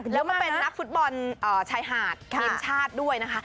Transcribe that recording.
แล้วมาเป็นนักฟุตบอลชายหาดทีมชาติด้วยนะคะ